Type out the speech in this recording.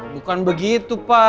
bukan begitu pak